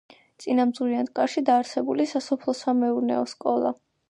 წინამძღვრიანთკარში დაარსებული სასოფლო-სამეურნეო სკოლა.